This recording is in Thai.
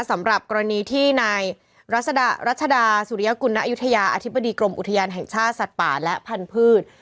สำหรับกรณีที่นายรัชดาสุริยกุณอายุทยาอธิบดีกรมอุทยานแห่งชาติสัตว์ป่าและพันธุ์